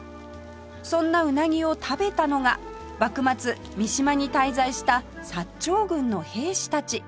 そんなうなぎを食べたのが幕末三島に滞在した薩長軍の兵士たち